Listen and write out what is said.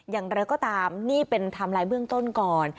อย่างไรก็ตามนี่เป็นไทม์ไลน์เบื้องต้นก่อน